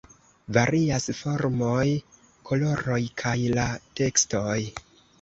Varias formoj, koloroj kaj la tekstoj.